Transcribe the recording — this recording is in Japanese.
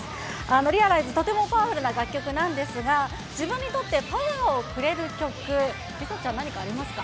リアライズ、とてもパワフルな楽曲なんですが、自分にとってパワーをくれる曲、梨紗ちゃん、何かありますか。